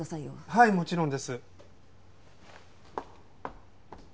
はいもちろんです。